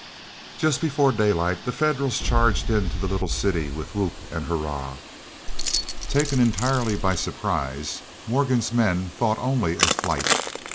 Just before daylight the Federals charged into the little city with whoop and hurrah. Taken entirely by surprise, Morgan's men thought only of flight.